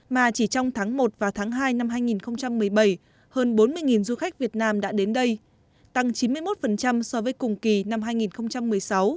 mà chỉ trong tháng một và tháng hai năm hai nghìn một mươi bảy hơn bốn mươi du khách việt nam đã đến đây tăng chín mươi một so với cùng kỳ năm hai nghìn một mươi sáu